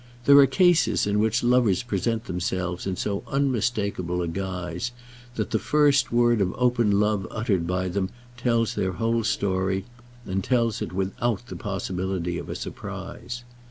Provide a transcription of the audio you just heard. There are cases in which lovers present themselves in so unmistakeable a guise, that the first word of open love uttered by them tells their whole story, and tells it without the possibility of a surprise.